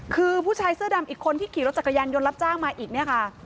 คือผู้ชายเสื้อดำอีกคนที่ขี่รถจักรยานยนต์รับจ้างมาอีกเนี่ยค่ะ